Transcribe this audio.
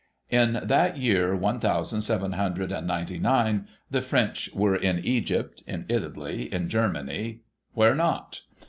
In that year, one thousand seven hundred and ninety nine, the French were in Egypt, in Italy, in Germany, where not